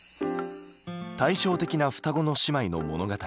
対照的な双子の姉妹の物語